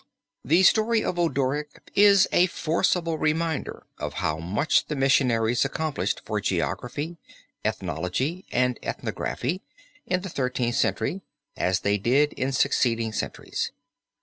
The story of Odoric is a forcible reminder of how much the missionaries accomplished for geography, ethnology, and ethnography in the Thirteenth Century, as they did in succeeding centuries.